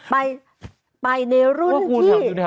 ไปไปในรุ่นที่